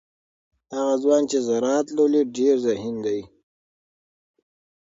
هغه ځوان چې زراعت لولي ډیر ذهین دی.